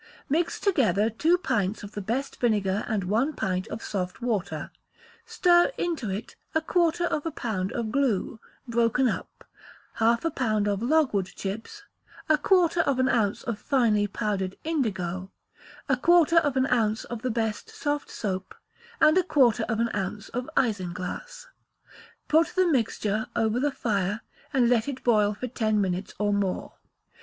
Mix together two pints of the best vinegar and one pint of soft water; stir into it a quarter of a pound of glue, broken up, half a pound of logwood chips, a quarter of an ounce of finely powdered indigo, a quarter of an ounce of the best soft soap, and a quarter of an ounce of isinglass. Put the mixture over the fire, and let it boil for ten minutes or more.